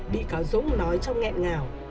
bị cáo dũng nói trong nghẹn ngào